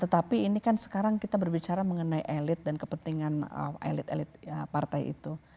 tetapi ini kan sekarang kita berbicara mengenai elit dan kepentingan elit elit partai itu